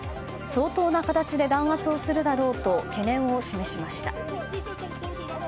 相当な形で弾圧をするだろうと懸念を示しました。